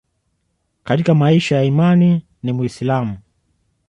Katika maisha ya imani ni Muislamu